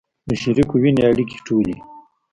د شریکو وینو اړیکې ټولې